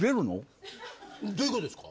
どういう事ですか？